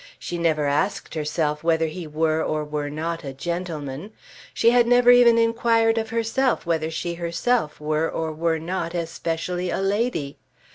She never asked herself whether he were or were not a gentleman. She had never even inquired of herself whether she herself were or were not especially a lady.